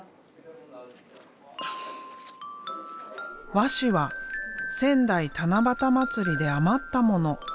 和紙は仙台七夕まつりで余ったもの。